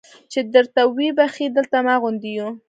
چې درته ویې بخښي دلته ما غوندې یو.